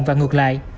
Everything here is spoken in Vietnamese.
và ngược lại